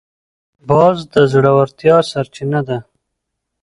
باز د زړورتیا سرچینه ده